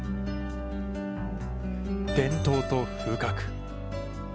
伝統と風格。